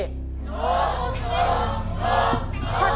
ถูกถูกถูก